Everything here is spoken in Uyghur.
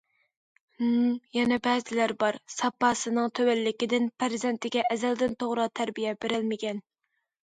ھىم، يەنە بەزىلەر بار، ساپاسىنىڭ تۆۋەنلىكىدىن پەرزەنتىگە ئەزەلدىن توغرا تەربىيە بېرەلمىگەن!